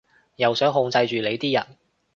又想控制住你啲人